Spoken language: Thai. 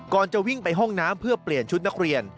จะวิ่งไปห้องน้ำเพื่อเปลี่ยนชุดนักเรียน